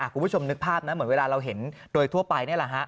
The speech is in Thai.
คุณผู้ชมนึกภาพนะเหมือนเวลาเราเห็นโดยทั่วไปนี่แหละฮะ